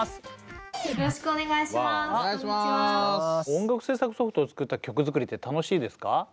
音楽制作ソフトを使った曲作りって楽しいですか？